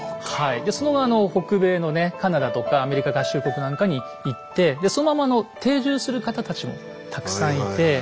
でその後北米のねカナダとかアメリカ合衆国なんかに行ってでそのままあの定住する方たちもたくさんいて。